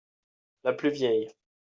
La plus vieille